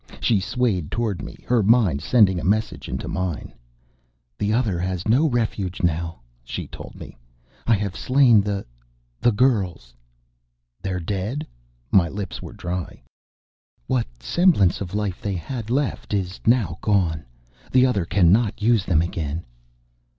She swayed toward me, her mind sending a message into mine. "The Other has no refuge now," she told me. "I have slain the the girls." "They're dead?" My lips were dry. "What semblance of life they had left is now gone. The Other cannot use them again."